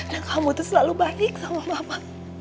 dan kamu tuh selalu baik sama mama